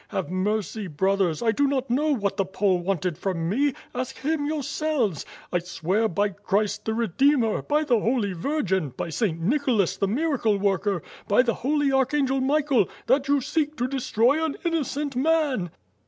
Have mercy brothers: I do not know what the Pole wanted from me; ask him yourselves! I swear by Christ the Redeemer, by the Holy Virgin, by St. Nicholas, the miracle worker, by the Holy Archangel Michael, that you seek to destroy an innocent man.''